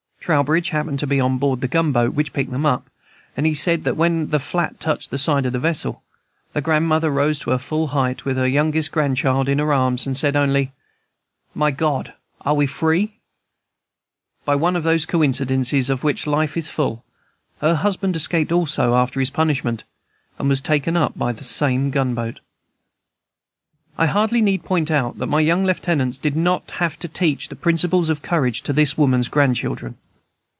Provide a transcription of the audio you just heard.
Trowbridge happened to be on board the gunboat which picked them up, and he said that when the "flat" touched the side of the vessel, the grandmother rose to her full height, with her youngest grandchild in her arms, and said only, "My God! are we free?" By one of those coincidences of which life is full, her husband escaped also, after his punishment, and was taken up by the same gunboat. I hardly need point out that my young lieutenants did not have to teach the principles of courage to this woman's grandchildren.